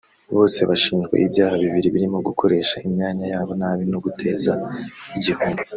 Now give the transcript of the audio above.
Bose bashinjwa ibyaha bibiri birimo gukoresha imyanya yabo nabi no guteza igihombo